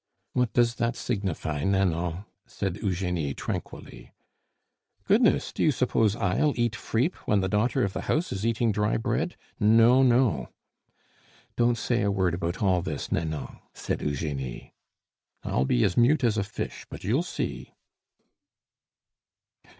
"What does that signify, Nanon?" said Eugenie tranquilly. "Goodness! do you suppose I'll eat frippe when the daughter of the house is eating dry bread? No, no!" "Don't say a word about all this, Nanon," said Eugenie. "I'll be as mute as a fish; but you'll see!"